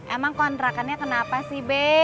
emang kontrakannya kenapa sih b